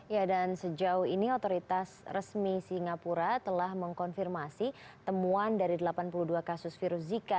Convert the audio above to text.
ya dan sejauh ini otoritas resmi singapura telah mengkonfirmasi temuan dari delapan puluh dua kasus virus zika